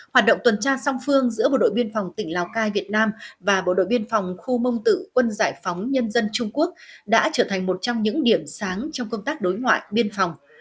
hoạt động tuần tra song phương giữa bộ đội biên phòng tỉnh lào cai việt nam và bộ đội biên phòng khu mông tự quân giải phóng nhân dân trung quốc đã trở thành một trong những điểm sáng trong công tác đối ngoại biên phòng